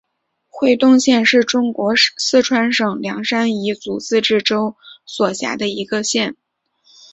会东县是中国四川省凉山彝族自治州所辖的一个县。